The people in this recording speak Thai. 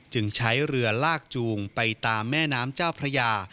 จึงใช้เรือลากจูงไปตามแม่น้ำเจ้าพระยา